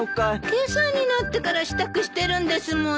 今朝になってから支度してるんですもの。